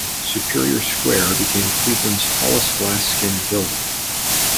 Superior Square became Cleveland's tallest glass skinned building.